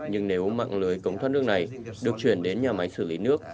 nhưng nếu mạng lưới cống thoát nước này được chuyển đến nhà máy xử lý nước